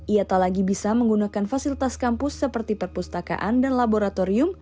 ia tak lagi bisa menggunakan fasilitas kampus seperti perpustakaan dan laboratorium